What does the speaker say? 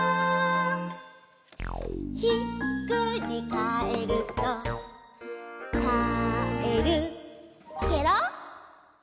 「ひっくりかえるとかえるケロ」